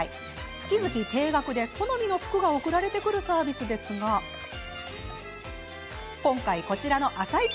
月々定額で、好みの服が送られてくるサービスですが今回こちらの「あさイチ」